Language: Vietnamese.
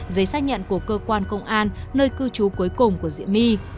giấy xác nhận của cơ quan công an nơi cư trú cuối cùng của diệm my